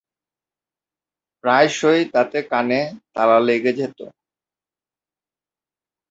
প্রায়শই তাতে কানে তালা লেগে যেত।